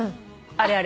あれあれ。